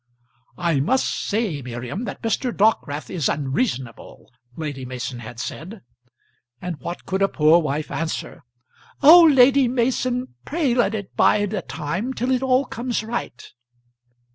"I must say, Miriam, that Mr. Dockwrath is unreasonable," Lady Mason had said. And what could a poor wife answer? "Oh! Lady Mason, pray let it bide a time till it all comes right."